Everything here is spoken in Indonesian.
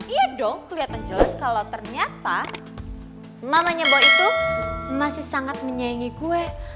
iya dong kelihatan jelas kalau ternyata mamanya boy itu masih sangat menyayangi gue